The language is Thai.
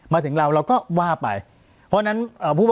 ปากกับภาคภูมิ